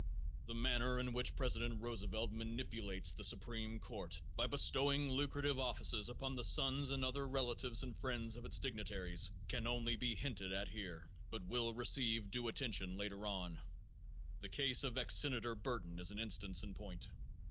The manner in which President Roosevelt manipulates the supreme court by bestowing lucrative offices upon the sons and other relatives and friends of its dignitaries can only be hinted at here, but will receive due attention later on. The case of ex Senator Burton is an instance in point.